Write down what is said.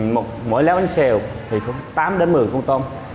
mỗi léo bánh xèo thì có tám đến một mươi con tôm